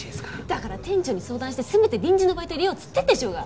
だから店長に相談してせめて臨時のバイト入れようっつってんでしょうが！